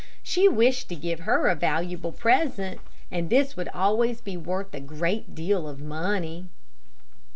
She wished to give her a valuable present, and this would always be worth a great deal of money.